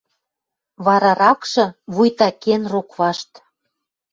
Вараракшы вуйта кен рок вашт.